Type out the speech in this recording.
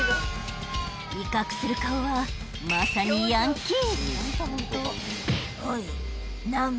威嚇する顔はまさにヤンキー！